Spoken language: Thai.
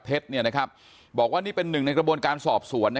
เท็จเนี่ยนะครับบอกว่านี่เป็นหนึ่งในกระบวนการสอบสวนนะ